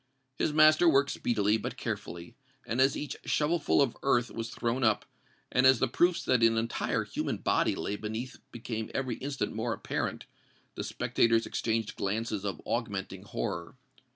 His master worked speedily, but carefully; and as each shovel full of earth was thrown up, and as the proofs that an entire human body lay beneath became every instant more apparent, the spectators exchanged glances of augmenting horror.